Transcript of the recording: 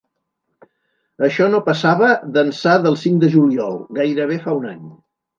Això no passava d’ençà del cinc de juliol, gairebé fa un any.